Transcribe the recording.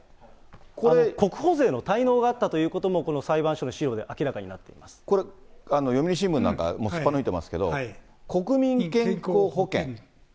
国保税の滞納税があったということが裁判所の資料で明らかにこれ読売新聞なんか、もうすっぱ抜いてますけど、国民健康保険。